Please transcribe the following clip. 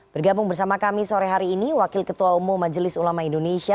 bergabung bersama kami sore hari ini wakil ketua umum majelis ulama indonesia